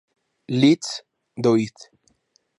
Let's Do It!